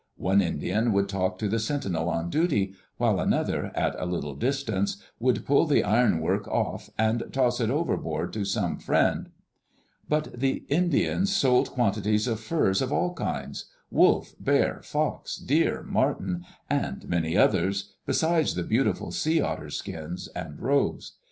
One Indian would talk to the sentinel on duty, while another, at a little distance, would pull the ironwork off and toss it overboard to some friend. But the Indians sold quantities of furs of all kinds — wolf, bear, fox, deer, marten, and many others, besides the beautiful sea otter skins and robes.